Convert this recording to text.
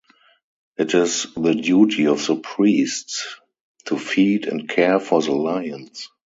It is the duty of the priests to feed and care for the lions.